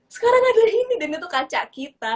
sekarang adalah ini dan itu kaca kita